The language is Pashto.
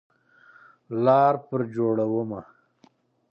لار پر جوړومه